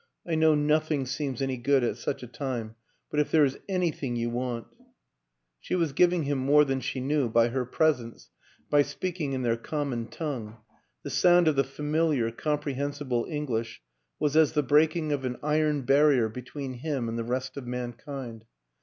" I know nothing seems any good at such a time, but if there is anything you want " She was giving him more than she knew by her presence, by speaking in their common tongue; the sound of the familiar, comprehensible Eng lish was as the breaking of an iron barrier be tween him and the rest of mankind.